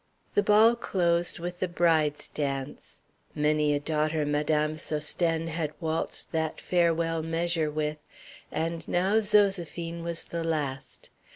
The ball closed with the bride's dance. Many a daughter Madame Sosthène had waltzed that farewell measure with, and now Zoséphine was the last.